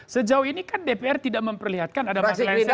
sejauh ini kan dpr tidak memperlihatkan ada masalah